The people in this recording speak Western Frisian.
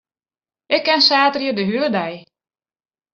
Ik kin saterdei de hiele dei.